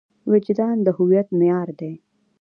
وجدان د هویت معیار دی.